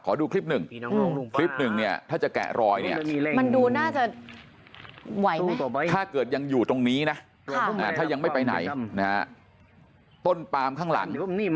ขอดูคลิป๑คลิป๑เนี่ยถ้าจะแกะรอยเนี่ยถ้าเกิดยังอยู่ตรงนี้นะถ้ายังไม่ไปไหนต้นปลามข้างหลัง